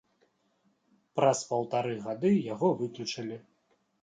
Праз паўтары гады яго выключылі.